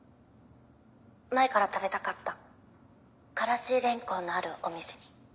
前から食べたかったからしレンコンのあるお店に。